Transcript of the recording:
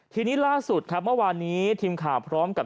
ทีนี้ล่าสุดครับเมื่อวานนี้ทีมข่าวพร้อมกับ